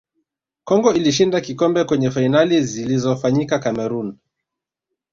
congo ilishinda kikombe kwenye fainali zilizofanyika cameroon